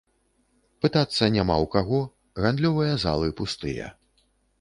Пытацца няма ў каго, гандлёвыя залы пустыя.